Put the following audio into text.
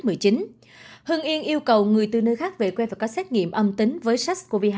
hưng yên yêu cầu người từ nơi khác về quê và có xét nghiệm âm tính với sars cov hai